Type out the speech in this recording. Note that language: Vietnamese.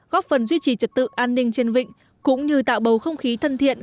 góp phần duy trì trật tự an ninh trên vịnh cũng như tạo bầu không khí thân thiện